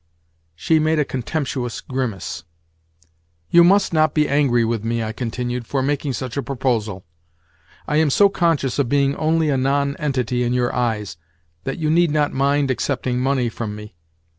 She made a contemptuous grimace. "You must not be angry with me," I continued, "for making such a proposal. I am so conscious of being only a nonentity in your eyes that you need not mind accepting money from me.